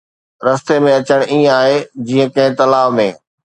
رستي ۾ اچڻ ائين آهي جيئن ڪنهن تلاءَ ۾